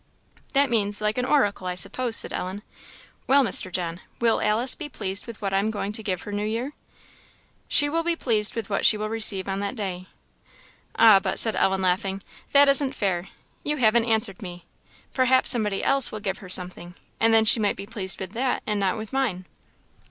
"That means, like an oracle, I suppose?" said Ellen. "Well, Mr. John, will Alice be pleased with what I am going to give her New Year?" "She will be pleased with what she will receive on that day." "Ah, but," said Ellen, laughing, "that isn't fair; you haven't answered me; perhaps somebody else will give her something, and then she might be pleased with that, and not with mine."